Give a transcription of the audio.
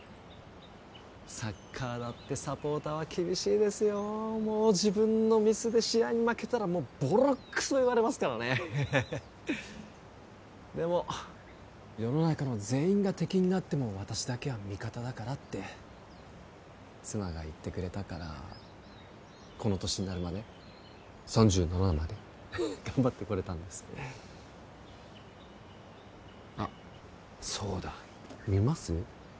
サッカーだってサポーターは厳しいですよもう自分のミスで試合に負けたらもうボロクソ言われますからねでも世の中の全員が敵になっても私だけは味方だからって妻が言ってくれたからこの年になるまで３７まで頑張ってこれたんですあっそうだ見ます？